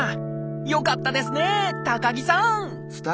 よかったですね高木さん！